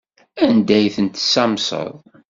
Anda ay tent-tessamseḍ?